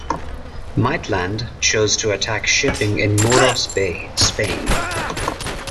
Maitland, chose to attack shipping in Muros Bay, Spain.